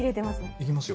行きますよ。